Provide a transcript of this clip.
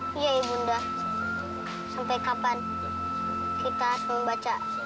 dosa deh sudah tahu kan